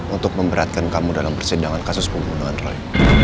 untuk memberatkan kamu dalam persidangan kasus pembunuhan roy